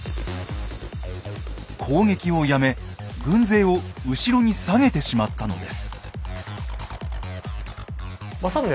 攻撃をやめ軍勢を後ろに下げてしまったのです。